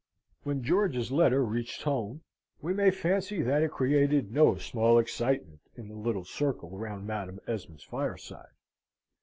When George's letter reached home, we may fancy that it created no small excitement in the little circle round Madam Esmond's fireside.